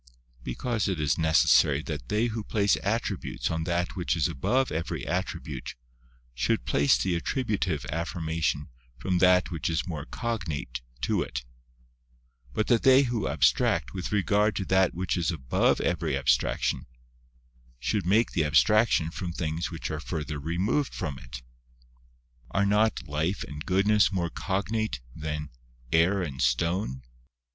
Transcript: Because it is necessary that they who place attributes on that which is above every attribute, should place the attributive affirma tion from that which is more cognate to it ; but that they who abstract, with regard to that which is above every abstraction, should make the abstraction from things which are further removed from it. Are riot 136 Dionysius the Areopagite, life and goodness more (cognate) than air and stone?